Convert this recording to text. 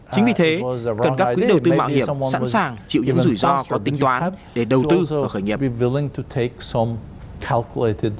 chính vì thế cần các quỹ đầu tư mạo hiểm sẵn sàng chịu những rủi ro có tính toán để đầu tư và khởi nghiệp